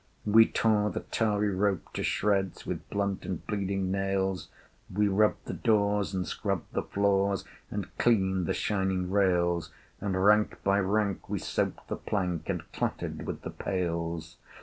We tore the tarry rope to shreds With blunt and bleeding nails; We rubbed the doors, and scrubbed the floors, And cleaned the shining rails: And, rank by rank, we soaped the plank, And clattered with the pails.